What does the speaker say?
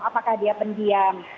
apakah dia pendiam